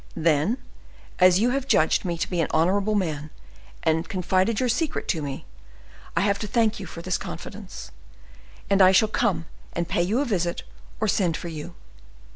Then, as you have judged me to be an honorable man, and confided your secret to me, I have to thank you for this confidence, and I shall come and pay you a visit or send for you.